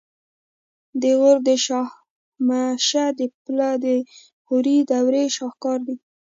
د غور د شاهمشه د پل د غوري دورې شاهکار دی